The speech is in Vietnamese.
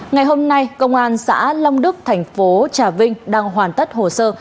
ngày hôm nay công an xã long đức thành phố trà vinh đang hoàn tất hồ sơ